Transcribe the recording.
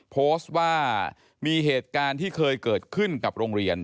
โพสต์ว่ามีเหตุการณ์ที่เคยเกิดขึ้นกับโรงเรียน